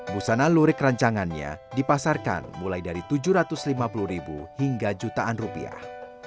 busana lurik rancangannya dipasarkan mulai dari tujuh ratus lima puluh ribu hingga jutaan rupiah